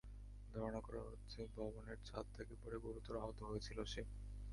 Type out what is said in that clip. ধারণা করা হচ্ছে, ভবনের ছাদ থেকে পড়ে গুরুতর আহত হয়েছিল সে।